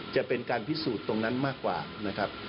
จะเป็นการพิสูจน์ตรงนั้นมากกว่านะครับ